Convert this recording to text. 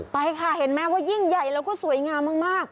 ไปค่ะเห็นไหมว่ายิ่งใหญ่แล้วก็สวยงามมาก